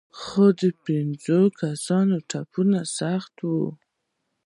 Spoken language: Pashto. خو د پېنځو کسانو ټپونه سخت وو.